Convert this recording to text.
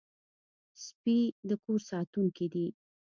سپي د کور ساتونکي دي.